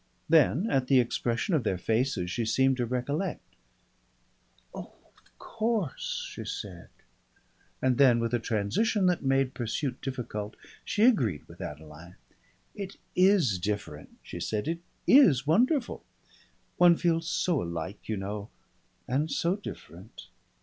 Then at the expression of their faces she seemed to recollect. "Of course," she said, and then with a transition that made pursuit difficult, she agreed with Adeline. "It is different," she said. "It is wonderful. One feels so alike, you know, and so different.